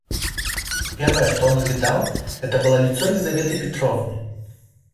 Первое, что он увидал, это было лицо Лизаветы Петровны.